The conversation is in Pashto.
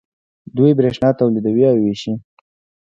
دوی بریښنا تولیدوي او ویشي.